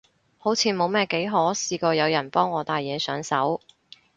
好似冇乜幾可試過有人幫我戴嘢上手